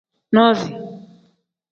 Nuzi.